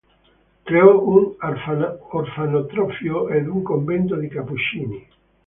Creò un orfanotrofio ed un convento di cappuccini.